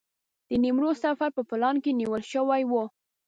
د نیمروز سفر په پلان کې نیول شوی و.